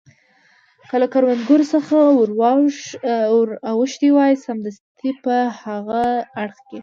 که له کروندو څخه ور اوښتي وای، سمدستي په هاغه اړخ کې.